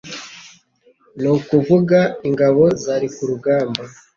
ni ukuvuga ingabo zari ku rugamba,